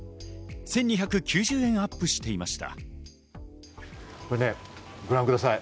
１２９０円アップしていました。